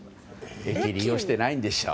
駅を利用していないんでしょう？